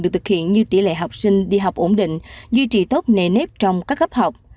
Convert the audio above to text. được thực hiện như tỷ lệ học sinh đi học ổn định duy trì tốt nề nếp trong các gấp học